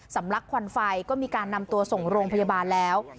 ลักควันไฟก็มีการนำตัวส่งโรงพยาบาลแล้ว